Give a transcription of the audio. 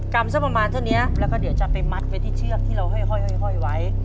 ำสักประมาณเท่านี้แล้วก็เดี๋ยวจะไปมัดไว้ที่เชือกที่เราห้อยไว้